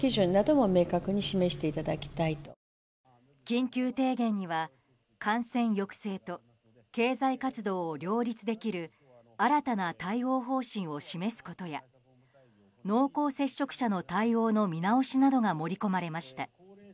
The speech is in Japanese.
緊急提言には感染抑制と経済活動を両立できる新たな対応方針を示すことや濃厚接触者の対応の見直しなどが盛り込まれました。